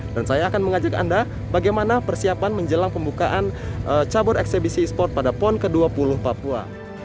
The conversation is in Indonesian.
dan saya akan mengajak anda bagaimana persiapan menjelang pembukaan cabur eksibisi e sport pada pon ke dua puluh papua